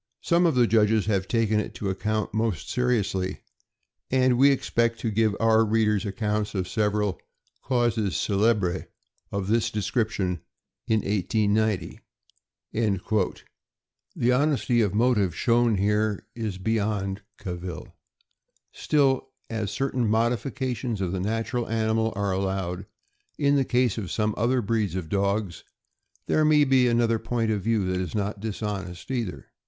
Some of the judges have taken to it most seriously, and we expect to give our readers accounts of several causes celebres of this description in 1890. The honesty of motive here shown is beyond cavil; still, as certain modifications of the natural animal are allowed in the case of some other breeds of dogs, there may be another point of view that is not dishonest, either.